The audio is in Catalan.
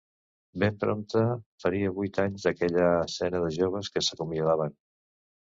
Ben prompte faria vuit anys d’aquella escena de joves que s’acomiadaven.